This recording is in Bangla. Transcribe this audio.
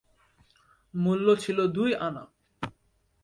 মূল্য ছিল দুই আনা।